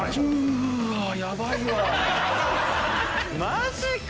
マジか⁉